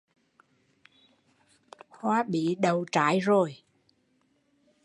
Hoa bí đậu trái rồi